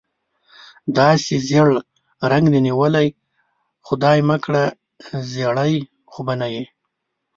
داسې ژېړ رنګ دې نیولی، خدای مکړه زېړی خو به نه یې؟